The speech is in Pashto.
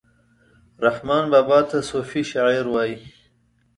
رحمان بابا ته صوفي شاعر وايي